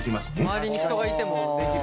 周りに人がいてもできる。